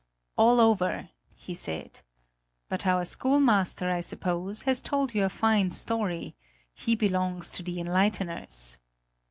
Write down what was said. "All over!" he said. "But our schoolmaster, I suppose, has told you a fine story he belongs to the enlighteners!"